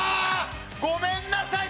ごめんなさい。